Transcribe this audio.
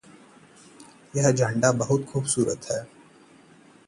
यह झंडा बहुत खूबसूरत है।